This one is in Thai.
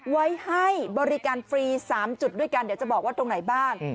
ไว้ให้บริการฟรี๓จุดด้วยกันเดี๋ยวจะบอกว่าตรงไหนบ้าง